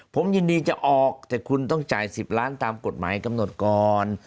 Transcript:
ผมยินดีจะออกแต่คุณต้องจ่าย๑๐ล้านตามกฎหมายกำหนดก่อน